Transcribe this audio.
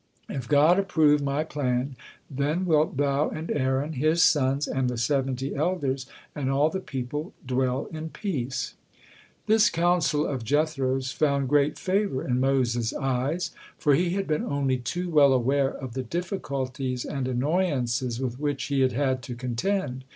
If God approve my plan, then wilt thou and Aaron, his sons and the seventy elders, and all the people dwell in peace." This counsel of Jethro's found great favor in Moses' eyes, for he had been only too well aware of the difficulties and annoyances with which he had had to contend.